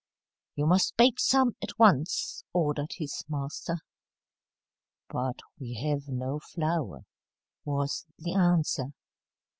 "You must bake some at once," ordered his master. "But we have no flour," was the answer.